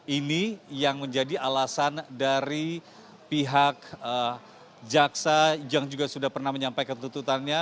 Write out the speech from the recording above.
ini yang menjadi alasan dari pihak jaksa yang juga sudah pernah menyampaikan tuntutannya